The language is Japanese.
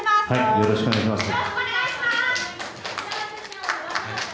よろしくお願いします。